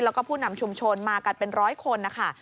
แล้วก็ผู้นำชุมชนมากันเป็นร้อยคนนะคะ